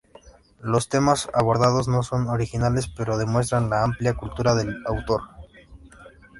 Los temas abordados no son originales, pero demuestran la amplia cultura del autor.